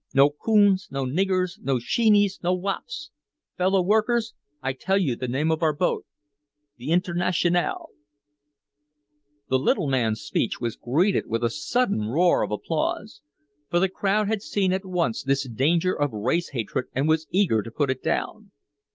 No coons, no niggers, no sheenies, no wops! Fellow workers I tell you the name of our boat! The Internationale!" The little man's speech was greeted with a sudden roar of applause. For the crowd had seen at once this danger of race hatred and was eager to put it down.